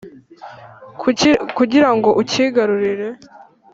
kugira ngo ucyigarurire,